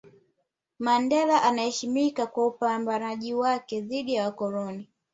Mandela anaheshimika kwa upambanaji wake dhidi ya wakoloni